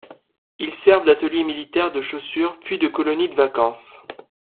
Ils servent d'atelier militaire de chaussures, puis de colonie de vacances.